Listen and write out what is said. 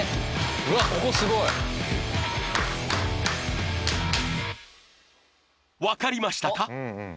うわっここすごい！わかりましたか？